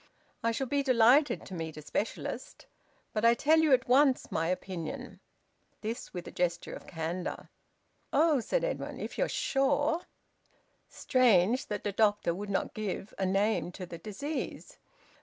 "I shall be delighted to meet a specialist. But I tell you at once my opinion." This with a gesture of candour. "Oh!" said Edwin. "If you're sure " Strange that the doctor would not give a name to the disease!